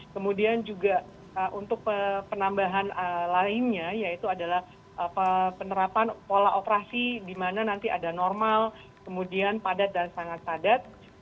kemudian juga untuk penambahan lainnya yaitu adalah penerapan pola operasi di mana nanti ada normal kemudian padat dan sangat padat